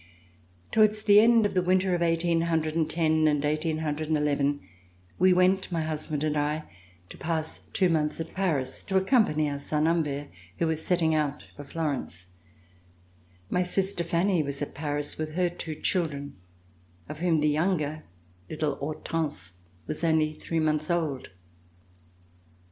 Towards the end of the winter of 1810 and 181 1, we went, my husband and I, to pass two months at Paris, to accompany our son Humbert, who was setting out for Florence. My sister Fanny was at Paris with her two children, of whom the younger, little Hortense, was only three months old.